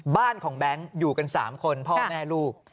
บ้านของแบงค์อยู่กัน๓คนพ่อแม่ลูก